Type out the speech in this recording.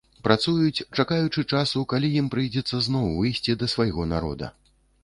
Працуюць, чакаючы часу, калі ім прыйдзецца ізноў выйсці да свайго народа.